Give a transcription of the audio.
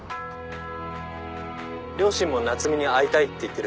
両親も夏海に会いたいって言ってるし。